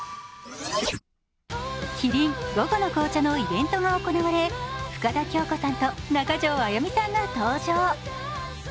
キリン・午後の紅茶のイベントが行われ、深田恭子さんと中条あやみさんが登場。